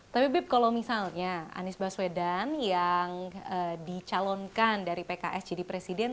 tapi bip kalau misalnya anies baswedan yang dicalonkan dari pks jadi presiden